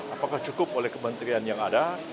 apakah cukup oleh kementerian yang ada